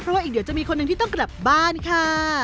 เพราะว่าอีกเดี๋ยวจะมีคนหนึ่งที่ต้องกลับบ้านค่ะ